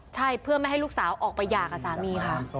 ใช่เพื่อไม่ให้ลูกสาวออกไปหย่ากับสามีค่ะ